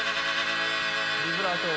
ビブラート。